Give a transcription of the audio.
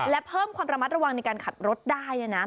และเพิ่มความระมัดระวังในการขับรถได้